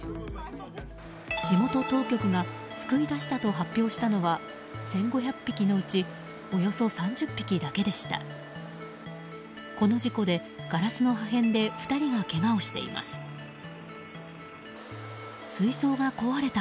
地元当局が救い出したと発表したのは１５００匹のうちおよそ３０匹だけでした。